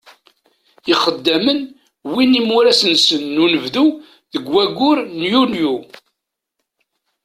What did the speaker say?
Ixeddamen wwin imuras-nsen n unebdu deg waggur n Yulyu.